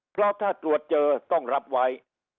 เพราะถ้าตรวจเจอต้องรับไว้